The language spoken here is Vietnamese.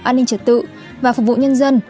an ninh trật tự và phục vụ nhân dân